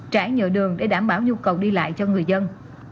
trải nhựa đường để đảm bảo nhu cầu đi lại cho người dân